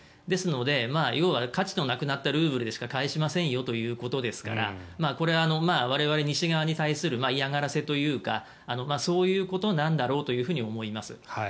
ですので、要は価値のなくなったルーブルでしか返しませんよということですからこれは我々西側に対する嫌がらせというかそういうことなんだろうと思います。